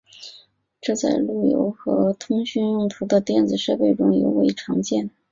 这在路由和通信用途的电子设备中尤为常见。